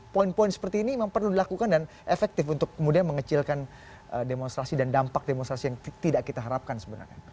poin poin seperti ini memang perlu dilakukan dan efektif untuk kemudian mengecilkan demonstrasi dan dampak demonstrasi yang tidak kita harapkan sebenarnya